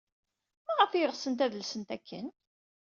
Maɣef ay ɣsent ad lsent akken?